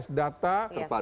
tiga puluh juta data dtks